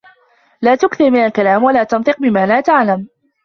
لَا تُكْثَرْ مِنَ الْكَلاَمِ ، وَلَا تَنْطِقْ بِمَا لَا تَعْلَمْ.